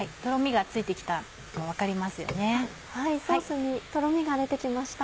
はいソースにとろみが出て来ました。